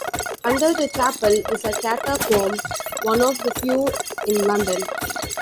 Under the chapel is a catacomb, one of the few in London.